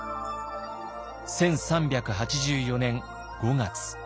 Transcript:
１３８４年５月。